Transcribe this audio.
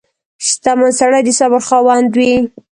• شتمن سړی د صبر خاوند وي.